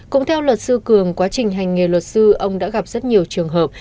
cũng theo luật sư cường quá trình hành nghề luật sư ông đã gặp rất nhiều trường hợp